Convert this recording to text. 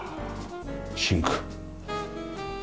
シンク。